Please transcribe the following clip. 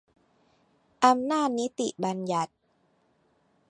อำนาจนิติบัญญัติ